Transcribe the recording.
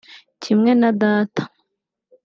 kimwe na data